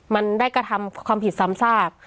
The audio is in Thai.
มันได้กระทำความผิดซ้ำซาก